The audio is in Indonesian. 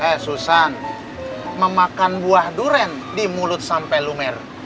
eh susan memakan buah durian di mulut sampai lumer